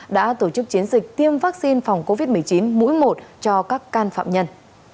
đã tổ chức chiến dịch tiêm vaccine phòng covid một mươi chín mũi một cho các can phạm nhân